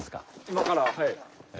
今からはい。